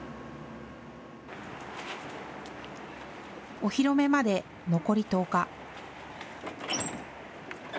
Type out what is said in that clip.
お披露目まで残り１０日。